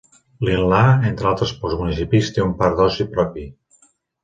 Lindlar, entre altres pocs municipis, té un parc d'oci propi.